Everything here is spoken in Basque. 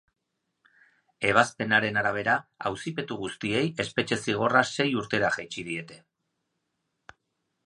Ebazpenaren arabera, auzipetu guztiei espetxe-zigorra sei urtera jaitsi diete.